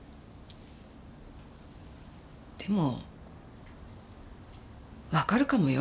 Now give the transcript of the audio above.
でもわかるかもよ。